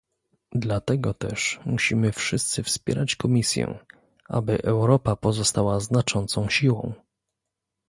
Dlatego też musimy wszyscy wspierać Komisję, aby Europa pozostała znaczącą siłą